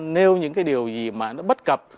nêu những điều gì mà nó bất cập